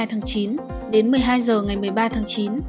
một mươi hai tháng chín đến một mươi hai h ngày một mươi ba tháng chín